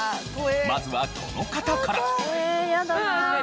まずはこの方から。